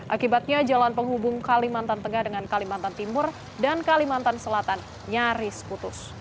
akibatnya jalan penghubung kalimantan tengah dengan kalimantan timur dan kalimantan selatan nyaris putus